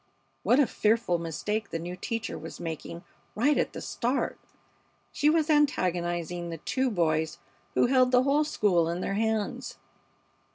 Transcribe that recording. What a fearful mistake the new teacher was making right at the start! She was antagonizing the two boys who held the whole school in their hands.